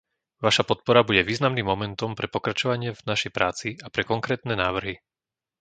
Vaša podpora bude významným momentom pre pokračovanie v našej práci a pre konkrétne návrhy.